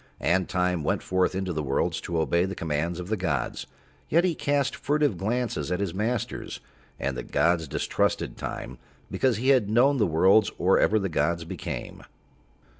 And Time went forth into the worlds to obey the commands of the gods, yet he cast furtive glances at his masters, and the gods distrusted Time because he had known the worlds or ever the gods became.